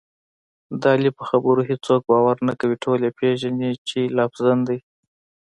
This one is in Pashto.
د علي په خبرو هېڅوک باور نه کوي، ټول یې پېژني چې لافزن دی.